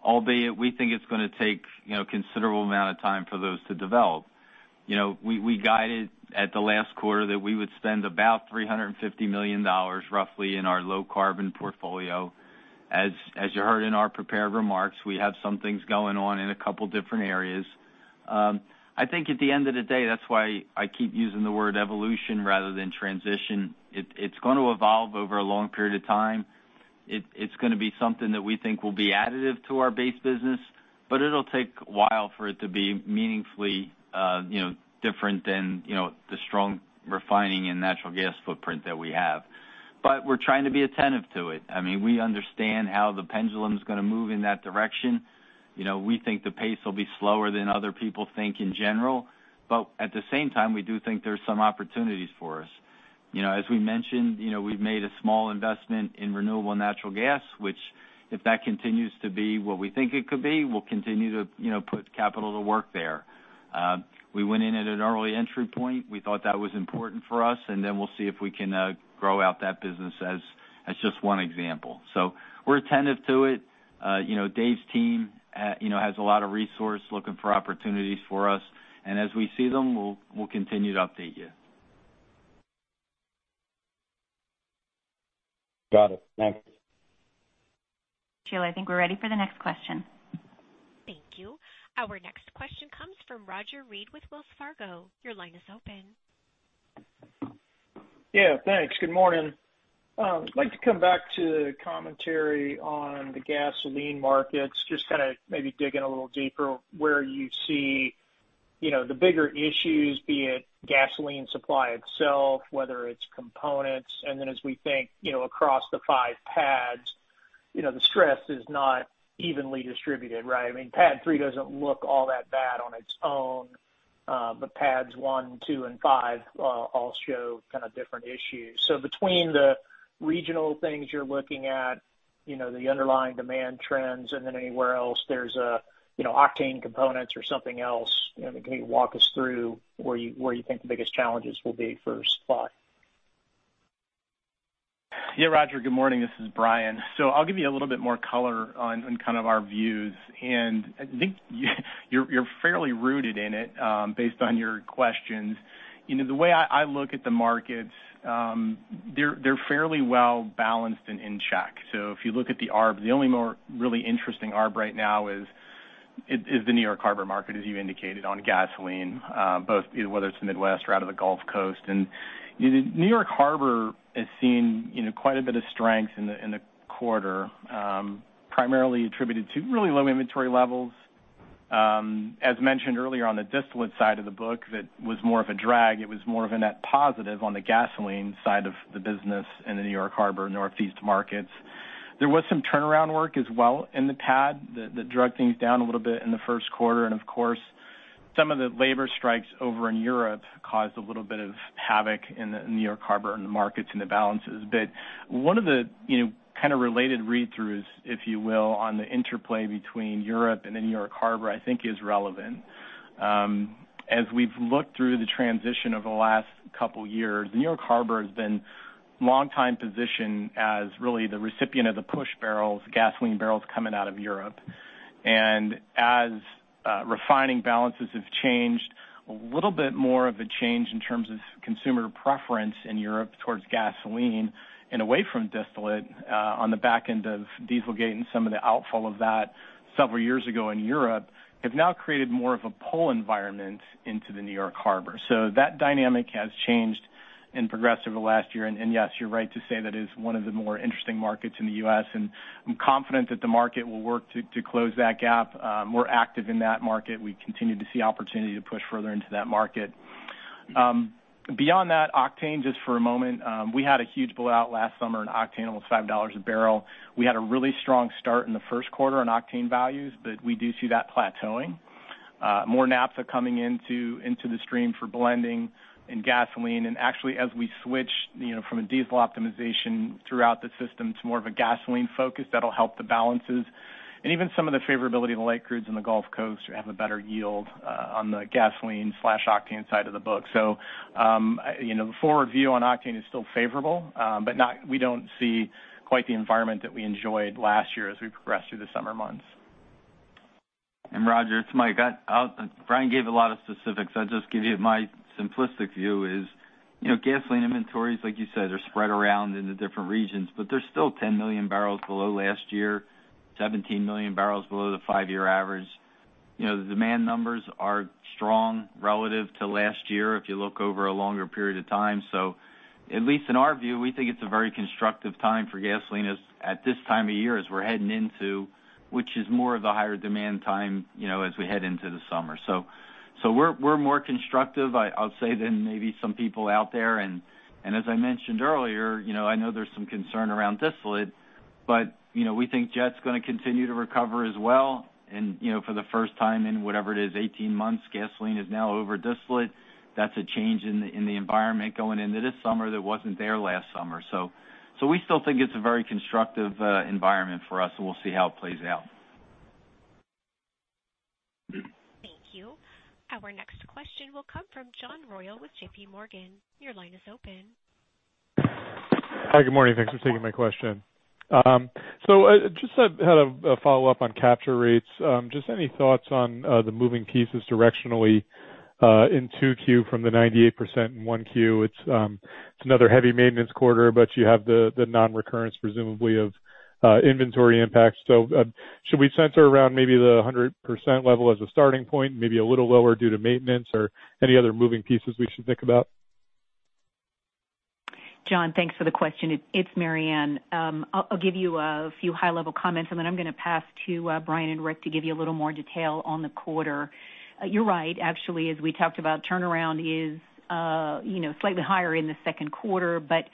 albeit we think it's gonna take, you know, a considerable amount of time for those to develop. You know, we guided at the last quarter that we would spend about $350 million roughly in our low carbon portfolio. As you heard in our prepared remarks, we have some things going on in a couple different areas. I think at the end of the day, that's why I keep using the word evolution rather than transition. It's going to evolve over a long period of time. It's gonna be something that we think will be additive to our base business, but it'll take a while for it to be meaningfully, you know, different than, you know, the strong refining and natural gas footprint that we have. We're trying to be attentive to it. I mean, we understand how the pendulum's gonna move in that direction. You know, we think the pace will be slower than other people think in general, but at the same time, we do think there's some opportunities for us. You know, as we mentioned, you know, we've made a small investment in renewable natural gas, which if that continues to be what we think it could be, we'll continue to, you know, put capital to work there. We went in at an early entry point. We thought that was important for us, and then we'll see if we can grow out that business as just one example. We're attentive to it. You know, Dave's team, you know, has a lot of resource looking for opportunities for us. As we see them, we'll continue to update you. Got it. Thanks. Sheila, I think we're ready for the next question. Thank you. Our next question comes from Roger Read with Wells Fargo. Your line is open. Yeah, thanks. Good morning. I'd like to come back to commentary on the gasoline markets, just kind of maybe dig in a little deeper where you see, you know, the bigger issues, be it gasoline supply itself, whether it's components. Then as we think, you know, across the five pads, you know, the stress is not evenly distributed, right? I mean, pad three doesn't look all that bad on its own, but pads one, two, and five all show kind of different issues. Between the regional things you're looking at, you know, the underlying demand trends and then anywhere else there's a, you know, octane components or something else, you know, can you walk us through where you, where you think the biggest challenges will be for supply? Yeah, Roger, good morning. This is Brian. I'll give you a little bit more color on kind of our views. I think you're fairly rooted in it, based on your questions. You know, the way I look at the markets, they're fairly well balanced and in check. If you look at the ARB, the only really interesting ARB right now is the New York Harbor market, as you indicated, on gasoline, both whether it's the Midwest or out of the Gulf Coast. New York Harbor has seen, you know, quite a bit of strength in the quarter, primarily attributed to really low inventory levels. As mentioned earlier, on the distillate side of the book, that was more of a drag. It was more of a net positive on the gasoline side of the business in the New York Harbor, Northeast markets. There was some turnaround work as well in the pad that dragged things down a little bit in the first quarter. Of course, some of the labor strikes over in Europe caused a little bit of havoc in the New York Harbor and the markets and the balances. One of the, you know, kind of related read-throughs, if you will, on the interplay between Europe and the New York Harbor, I think is relevant. As we've looked through the transition over the last couple years, New York Harbor has been long time positioned as really the recipient of the push barrels, gasoline barrels coming out of Europe. As refining balances have changed, a little bit more of a change in terms of consumer preference in Europe towards gasoline and away from distillate, on the back end of Dieselgate and some of the outfall of that several years ago in Europe, have now created more of a pull environment into the New York Harbor. That dynamic has changed and progressed over the last year. Yes, you're right to say that is one of the more interesting markets in the U.S., and I'm confident that the market will work to close that gap, more active in that market. We continue to see opportunity to push further into that market. Beyond that, octane, just for a moment, we had a huge blowout last summer in octane, almost $5 a barrel. We had a really strong start in the first quarter on octane values, but we do see that plateauing. More NAPs are coming into the stream for blending and gasoline. Actually, as we switch, you know, from a diesel optimization throughout the system to more of a gasoline focus, that'll help the balances. Even some of the favorability of the light crudes in the Gulf Coast have a better yield on the gasoline/octane side of the book. You know, the forward view on octane is still favorable, but we don't see quite the environment that we enjoyed last year as we progress through the summer months. Roger, it's Mike. Brian gave a lot of specifics. I'll just give you my simplistic view is, you know, gasoline inventories, like you said, are spread around in the different regions, but they're still 10 million barrels below last year, 17 million barrels below the five-year average. You know, the demand numbers are strong relative to last year if you look over a longer period of time. At least in our view, we think it's a very constructive time for gasoline as at this time of year, as we're heading into, which is more of the higher demand time, you know, as we head into the summer. We're, we're more constructive I'll say, than maybe some people out there. As I mentioned earlier, you know, I know there's some concern around distillate, but, you know, we think jet's gonna continue to recover as well. For the first time in whatever it is, 18 months, gasoline is now over distillate. That's a change in the environment going into this summer that wasn't there last summer. We still think it's a very constructive environment for us, and we'll see how it plays out. Thank you. Our next question will come from John Royall with JPMorgan. Your line is open. Hi. Good morning. Thanks for taking my question. just had a follow-up on capture rates. just any thoughts on the moving pieces directionally in 2Q from the 98% in 1Q? It's another heavy maintenance quarter, but you have the non-recurrence presumably of inventory impact. should we center around maybe the 100% level as a starting point, maybe a little lower due to maintenance or any other moving pieces we should think about? John, thanks for the question. It's Maryann. I'll give you a few high-level comments and then I'm gonna pass to Brian and Rick to give you a little more detail on the quarter. You're right. Actually, as we talked about, turnaround is, you know, slightly higher in the second quarter, but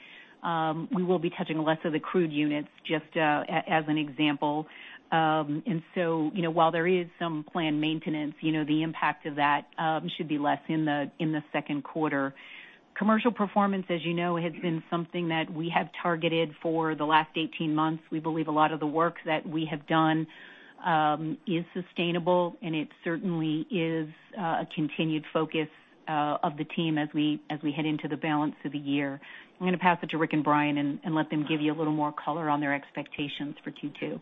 we will be touching less of the crude units, just as an example. You know, while there is some planned maintenance, you know, the impact of that should be less in the second quarter. Commercial performance, as you know, has been something that we have targeted for the last 18 months. We believe a lot of the work that we have done is sustainable, and it certainly is a continued focus of the team as we head into the balance of the year. I'm gonna pass it to Rick and Brian and let them give you a little more color on their expectations for Q2.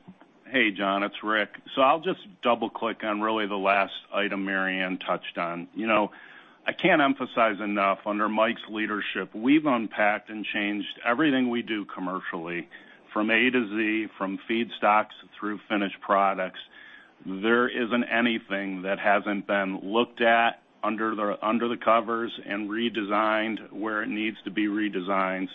Hey, John, it's Rick. I'll just double-click on really the last item Maryanne touched on. You know, I can't emphasize enough, under Mike's leadership, we've unpacked and changed everything we do commercially from A to Z, from feedstocks through finished products. There isn't anything that hasn't been looked at under the covers and redesigned where it needs to be redesigned.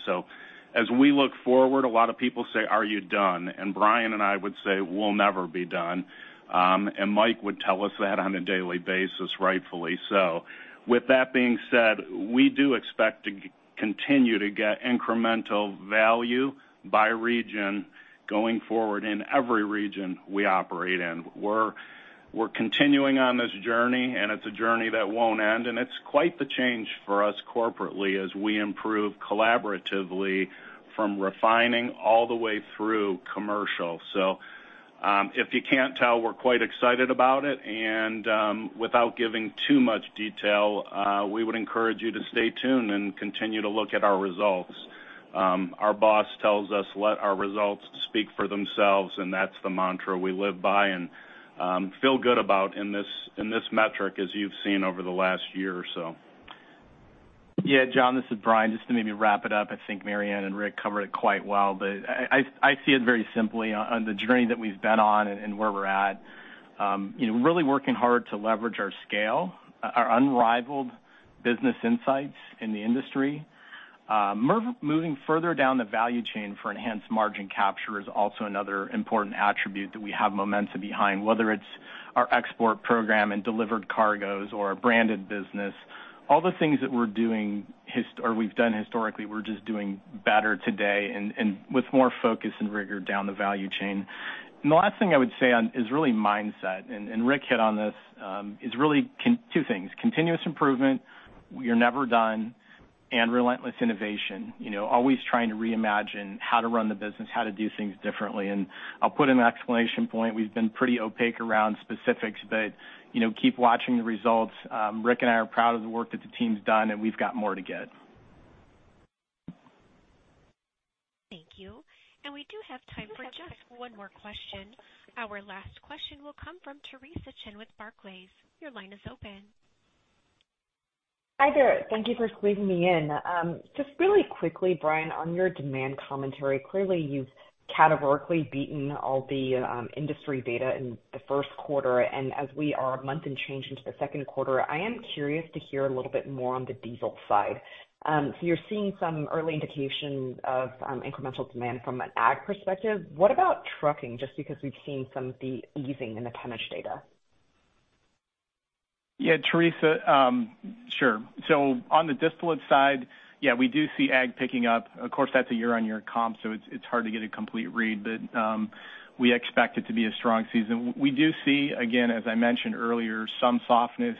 As we look forward, a lot of people say, "Are you done?" Brian and I would say, "We'll never be done." Mike would tell us that on a daily basis, rightfully so. With that being said, we do expect to continue to get incremental value by region going forward in every region we operate in. We're continuing on this journey, and it's a journey that won't end, and it's quite the change for us corporately as we improve collaboratively from refining all the way through commercial. If you can't tell, we're quite excited about it, and without giving too much detail, we would encourage you to stay tuned and continue to look at our results. Our boss tells us let our results speak for themselves, and that's the mantra we live by and feel good about in this metric as you've seen over the last year or so. John, this is Brian. Just to maybe wrap it up, I think Maryann and Rick covered it quite well. I see it very simply on the journey that we've been on and where we're at. you know, really working hard to leverage our scale, our unrivaled business insights in the industry. moving further down the value chain for enhanced margin capture is also another important attribute that we have momentum behind, whether it's our export program and delivered cargoes or our branded business. All the things that we're doing or we've done historically, we're just doing better today and with more focus and rigor down the value chain. The last thing I would say on is really mindset, and, Rick hit on this, is really two things, continuous improvement, we are never done, and relentless innovation. You know, always trying to reimagine how to run the business, how to do things differently. I'll put an explanation point. We've been pretty opaque around specifics, but, you know, keep watching the results. Rick and I are proud of the work that the team's done, and we've got more to get. Thank you. We do have time for just one more question. Our last question will come from Teresa Chen with Barclays. Your line is open. Hi, there. Thank you for squeezing me in. Just really quickly, Brian, on your demand commentary, clearly you've categorically beaten all the industry data in the first quarter. As we are a month and change into the second quarter, I am curious to hear a little bit more on the diesel side. So you're seeing some early indications of incremental demand from an ag perspective. What about trucking, just because we've seen some of the easing in the Tenish data? Yeah, Teresa. Sure. On the distillate side, yeah, we do see ag picking up. Of course, that's a year-on-year comp, so it's hard to get a complete read. We expect it to be a strong season. We do see, again, as I mentioned earlier, some softness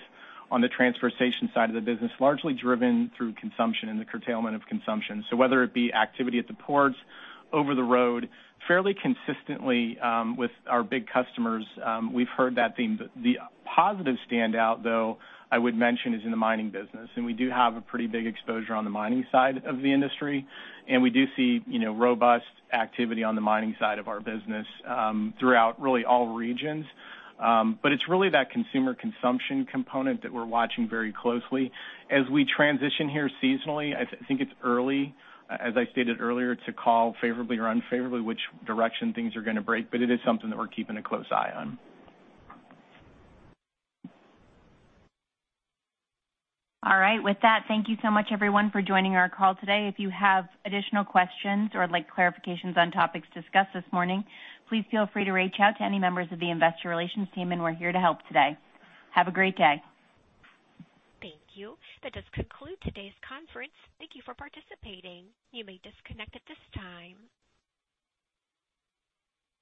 on the transportation side of the business, largely driven through consumption and the curtailment of consumption. Whether it be activity at the ports, over the road, fairly consistently with our big customers, we've heard that theme. The positive standout, though, I would mention, is in the mining business. We do have a pretty big exposure on the mining side of the industry, and we do see, you know, robust activity on the mining side of our business throughout really all regions. It's really that consumer consumption component that we're watching very closely. As we transition here seasonally, I think it's early, as I stated earlier, to call favorably or unfavorably which direction things are gonna break, but it is something that we're keeping a close eye on. All right. With that, thank you so much everyone for joining our call today. If you have additional questions or would like clarifications on topics discussed this morning, please feel free to reach out to any members of the investor relations team, and we're here to help today. Have a great day. Thank you. That does conclude today's conference. Thank you for participating. You may disconnect at this time.